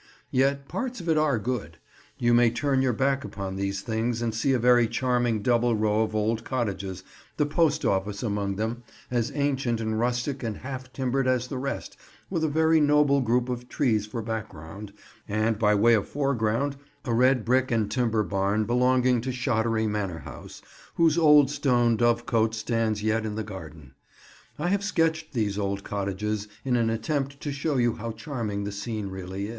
Yet parts of it are good. You may turn your back upon these things and see a very charming double row of old cottages, the Post Office among them, as ancient and rustic and half timbered as the rest, with a very noble group of trees for background, and by way of foreground a red brick and timber barn belonging to Shottery manor house, whose old stone dovecote stands yet in the garden. I have sketched these old cottages, in an attempt to show you how charming the scene really is.